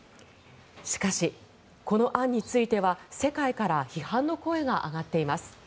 しかし、この案については世界から批判の声が上がっています。